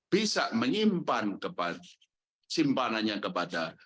bisa menyimpan simpanannya kepada